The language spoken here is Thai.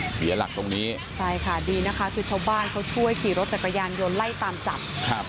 เสียหลักตรงนี้ใช่ค่ะดีนะคะคือชาวบ้านเขาช่วยขี่รถจักรยานยนต์ไล่ตามจับครับ